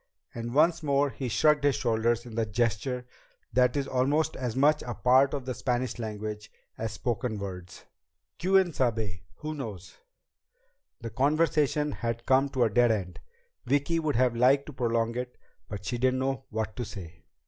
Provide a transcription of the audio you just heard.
And once more he shrugged his shoulders in the gesture that is almost as much a part of the Spanish language as spoken words. "Quién sabe? Who knows?" The conversation had come to a dead end. Vicki would have liked to prolong it, but she didn't know what to say.